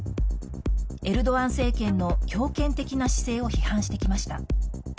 エルドアン政権の強権的な姿勢を批判してきました。